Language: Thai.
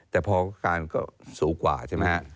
แต่พอการก็สูงกว่าใช่ไหมฮะ